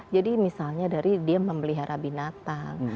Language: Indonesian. jadi misalnya dari dia memelihara binatang